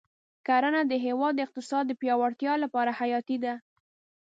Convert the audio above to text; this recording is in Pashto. کرنه د هېواد د اقتصاد د پیاوړتیا لپاره حیاتي ده.